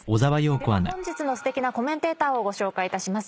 では本日のすてきなコメンテーターをご紹介いたします。